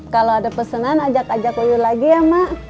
kalau ada pesanan ajak ajak uyu lagi ya ma